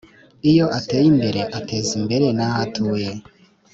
Iyo ateye imbere, ateza imbere n’aho atuye.